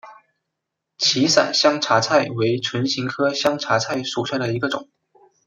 歧伞香茶菜为唇形科香茶菜属下的一个种。